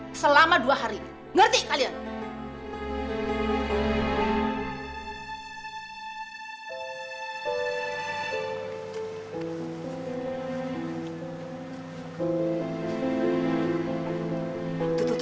kalau kalian berdua mencari piring itu kalian akan mampus banget ya